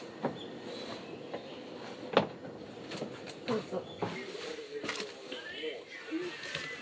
どうぞ。